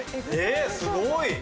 えすごい！